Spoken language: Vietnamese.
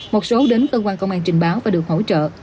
một số đến cơ quan công an trình báo và được hỗ trợ